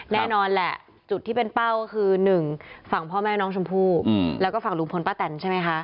แน่นอนแหละจุดที่เป็นเป้าก็คือ๑ฝั่งพ่อแม่น้องชมพู่แล้วก็ฝั่งลุงพลป้าแตนใช่ไหมคะ